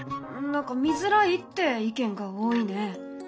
何か見づらいって意見が多いね。